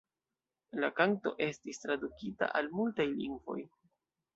La kanto estis tradukita al multaj lingvoj.